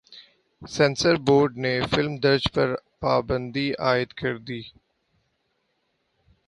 censor board نے film درج پر پابندی عائد کر دی